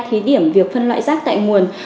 thí điểm việc phân loại rác tạo nguồn